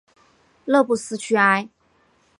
勒布斯屈埃。